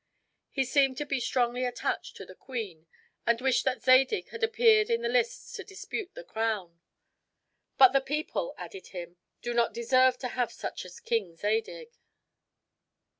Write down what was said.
He seemed to be strongly attached to the queen, and wished that Zadig had appeared in the lists to dispute the crown. "But the people," added he, "do not deserve to have such a king as Zadig."